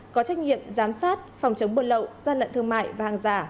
có trách nhiệm giám sát phòng chống bơn lậu ra lệnh thương mại và hàng giả